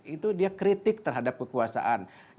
itu dia kritik terhadap kekuasaan